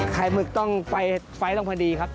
ไข่หมึกต้องไฟตรงพอดีครับ